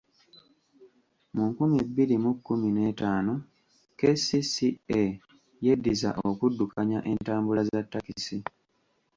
Mu nkumi bbiri mu kkumi n'etaano, KCCA yeddiza okuddukanya entambula za takisi.